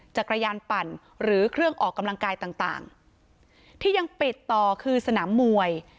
จักรยานปั่นหรือเครื่องออกกำลังกายต่างต่างที่ยังปิดต่อคือสนามมวย